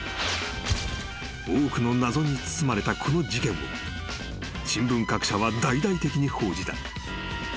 ［多くの謎に包まれたこの事件を新聞各社は大々的に報じた］